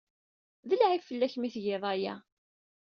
D lɛib fell-ak imi ay tgiḍ aya.